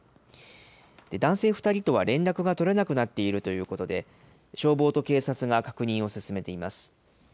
男性２人とは連絡が取れなくなっているということで、消防と警察が確認を進めています。